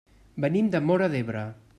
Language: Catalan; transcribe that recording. Venim de Móra d'Ebre.